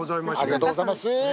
ありがとうございます。